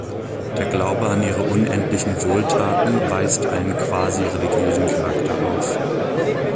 Der Glaube an ihre unendlichen Wohltaten weist einen quasi-religiösen Charakter auf.